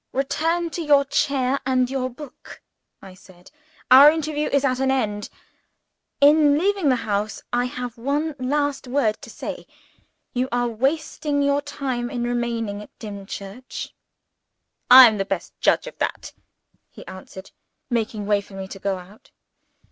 "Return to your chair and your book," I said. "Our interview is at an end. In leaving the house, I have one last word to say. You are wasting your time in remaining at Dimchurch." "I am the best judge of that," he answered, making way for me to go out.